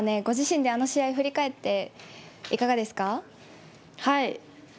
ご自身で、あの試合振り返って、いかがですか。